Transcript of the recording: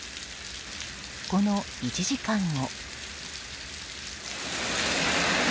この１時間後。